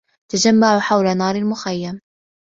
تجمّعوا حول نار المخيّم.